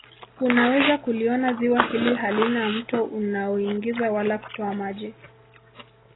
Unaweza kuliona Ziwa hili halina mto unaoingiza wala kutoa maji